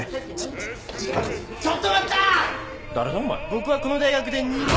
僕はこの大学で２番。